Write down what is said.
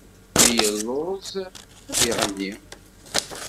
Mi yelluẓ, ad iɣenni.